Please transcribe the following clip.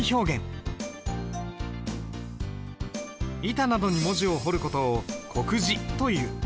板などに文字を彫る事を刻字という。